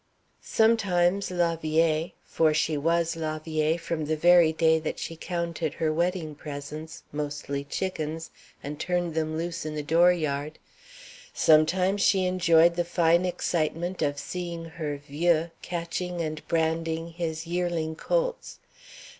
Sometimes la vieille for she was la vieille from the very day that she counted her wedding presents, mostly chickens, and turned them loose in the dooryard sometimes she enjoyed the fine excitement of seeing her vieux catching and branding his yearling colts.